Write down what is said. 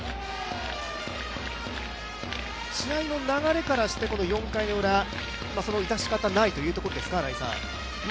試合の流れとして、４回ウラ、致し方ないというところですか？